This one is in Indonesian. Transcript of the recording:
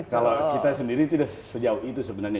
kalau kita sendiri tidak sejauh itu sebenarnya